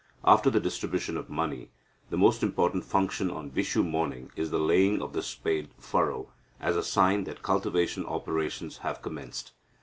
After the distribution of money, the most important function on Vishu morning is the laying of the spade furrow, as a sign that cultivation operations have commenced.